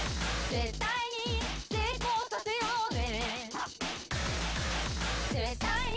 「絶対に成功させようね」